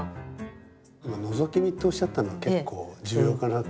今「のぞき見」っておっしゃったの結構重要かなと。